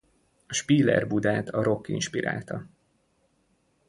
A Spíler Budát a rock inspirálta.